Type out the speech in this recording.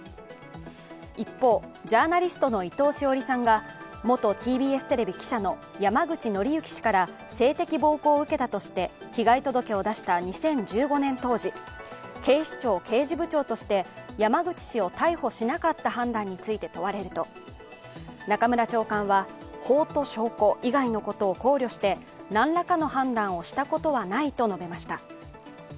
一方、ジャーナリストの伊藤詩織さんが元ＴＢＳテレビ記者の山口敬之氏から性的暴行を受けたとして被害届を出した２０１５年当時警視庁刑事部長として山口氏を逮捕しなかった判断について問われると中村長官は、法と証拠以外のことを考慮して何らかの判断をしたことはないと述べました。